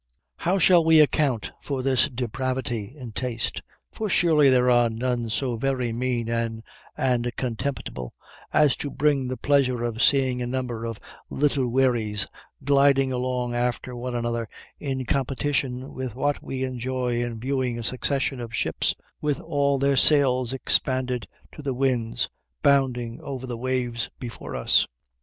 How shall we account for this depravity in taste? for surely there are none so very mean and contemptible as to bring the pleasure of seeing a number of little wherries, gliding along after one another, in competition with what we enjoy in viewing a succession of ships, with all their sails expanded to the winds, bounding over the waves before us.